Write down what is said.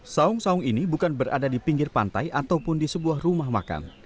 saung saung ini bukan berada di pinggir pantai ataupun di sebuah rumah makan